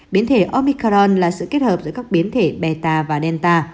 biến thể omicron là sự kết hợp giữa các biến thể beta và delta